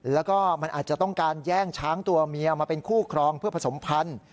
แล้วก็มันอาจจะต้องการแย่งช้างตัวเมียมาเป็นคู่ครองเพื่อผสมพันธุ์